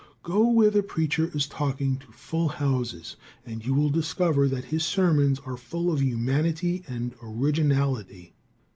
Go where the preacher is talking to full houses, and you will discover that his sermons are full of humanity and originality.